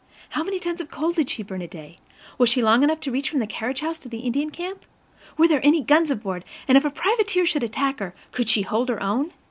How many tons of coal did she burn a day? Was she long enough to reach from the carriage house to the Indian camp? Were there any guns aboard, and if a privateer should attack her, could she hold her own?